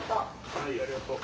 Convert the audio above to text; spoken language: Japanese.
はいありがとう。